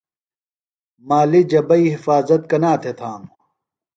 مالی جبئی حِفاظت کنا تھےۡ تھانوۡ ؟